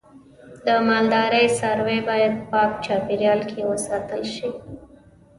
د مالدارۍ څاروی باید په پاک چاپیریال کې وساتل شي.